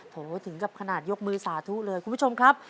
ถึงกับขนาดยกมือสาธุเลยคุณผู้ชมครับ